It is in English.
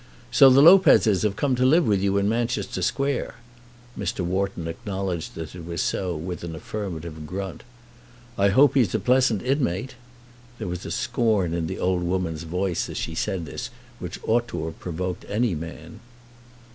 "So the Lopezes have come to live with you in Manchester Square?" Mr. Wharton acknowledged that it was so with an affirmative grunt. "I hope he's a pleasant inmate." There was a scorn in the old woman's voice as she said this, which ought to have provoked any man.